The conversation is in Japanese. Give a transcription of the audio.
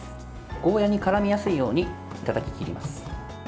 ゴーヤーにからみやすいようにたたき切ります。